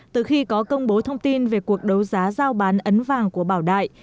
từ khi có công bố thông tin về cuộc đấu giá giao bán ấn vàng của bảo đại